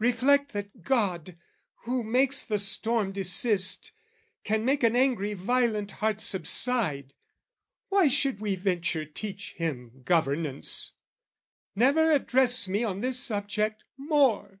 "Reflect that God, who makes the storm desist, "Can make an angry violent heart subside. "Why should we venture teach Him governance? "Never address me on this subject more!"